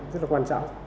rất là quan trọng